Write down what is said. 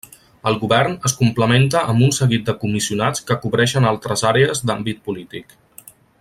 El govern es complementa amb un seguit de comissionats que cobreixen altres àrees d'àmbit polític.